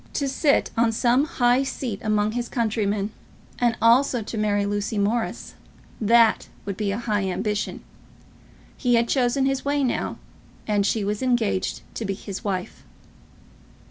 To sit on some high seat among his countrymen, and also to marry Lucy Morris, that would be a high ambition. He had chosen his way now, and she was engaged to be his wife.